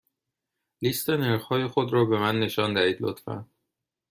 لیست نرخ های خود را به من نشان دهید، لطفا.